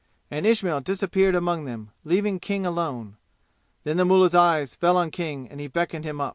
And Ismail disappeared among them, leaving King alone. Then the mullah's eyes fell on King and he beckoned him.